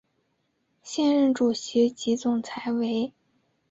现任主席及总裁为。